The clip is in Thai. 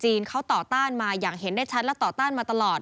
เขาต่อต้านมาอย่างเห็นได้ชัดและต่อต้านมาตลอด